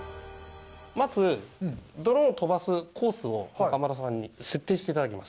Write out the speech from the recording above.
まず、ドローンを飛ばすコースを、中丸さんに設定していただきます。